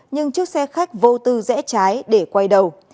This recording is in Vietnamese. nhưng chiếc xe khách vô tư rẽ trái để quay đầu